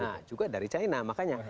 nah juga dari china makanya